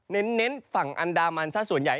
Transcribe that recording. เน้นฝั่งอันดามันซะส่วนใหญ่